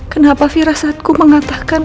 kenapa fira saat ku mengatakan